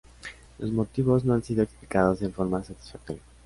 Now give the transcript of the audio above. Los motivos no han sido explicados en forma satisfactoria.